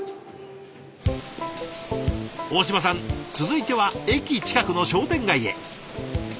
大嶋さん続いては駅近くの商店街へ。